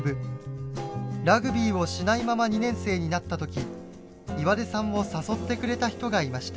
ラグビーをしないまま２年生になった時岩出さんを誘ってくれた人がいました。